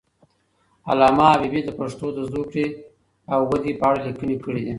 علامه حبیبي د پښتو د زوکړې او ودې په اړه لیکنې کړي دي.